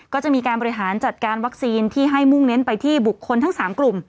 ก็จะมีการบริหารจัดการวัคซีนที่ให้มุ่งเน้นไปที่บุคคลทั้ง๓กลุ่ม